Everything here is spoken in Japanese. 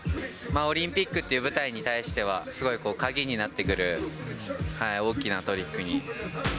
オリンピックっていう舞台に対しては、すごい鍵になってくる大きなトリックに。